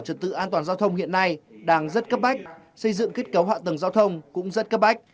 trật tự an toàn giao thông hiện nay đang rất cấp bách xây dựng kết cấu hạ tầng giao thông cũng rất cấp bách